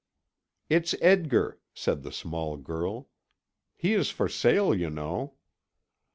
"It's Edgar," said the small girl. "He is for sale, you know."